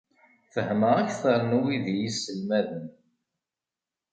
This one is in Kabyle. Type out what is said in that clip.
Fehmeɣ akter n wid i iyi-isselmaden.